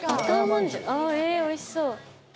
おいしそう。